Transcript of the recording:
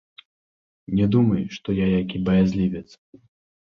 Не думай, што я які баязлівец.